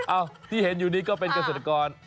ร์ที่เห็นอยู่นี้ก็เป็นกระสาทรกร